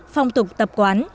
phong tục tập quán